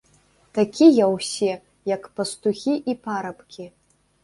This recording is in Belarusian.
Такія ўсе, як пастухі і парабкі!